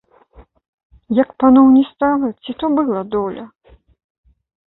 Як паноў не стала, ці то была доля?